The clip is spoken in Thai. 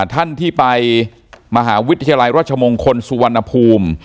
ท่านที่ไปมหาวิทยาลัยราชมงคลสุวรรณภูมิ